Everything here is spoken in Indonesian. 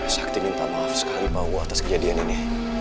sakti minta maaf sekali papa atas kejadian ini